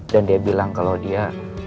dan dia bilang kalau dia